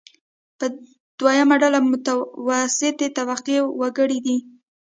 په دویمه ډله کې متوسطې طبقې وګړي دي.